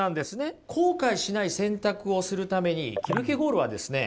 後悔しない選択をするためにキルケゴールはですね